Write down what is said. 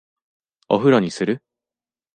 お風呂にする？